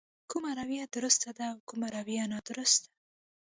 کومه رويه درسته ده او کومه رويه نادرسته.